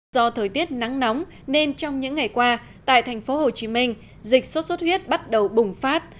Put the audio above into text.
do thời tiết nắng nóng nên trong những ngày qua tại tp hcm dịch xuất xuất huyết bắt đầu bùng phát